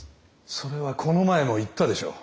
それはこの前も言ったでしょう。